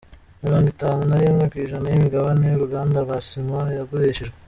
Mirongo itanu narimwe kwijana y’imigabane yuruganda rwasima yagurishijwe